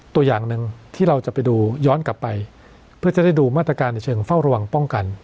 ตัวอย่างหนึ่งที่เราจะไปดูย้อนกลับไปเพื่อจะได้ดูมาตรการในเชิงเฝ้าระวังป้องกัน